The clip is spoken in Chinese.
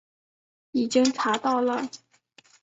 已经查到了